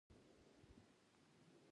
ته چپ سه